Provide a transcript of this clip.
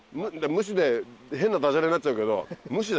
ムシで変なダジャレになっちゃうけど無視だよ。